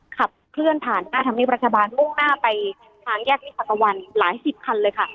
ขับเคลื่อนผ่านหน้าธรรมเนียบรัฐบาลมุ่งหน้าไปทางแยกวิภาคตะวันหลายสิบคันเลยค่ะ